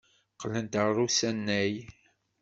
Qqlent ɣer usanay.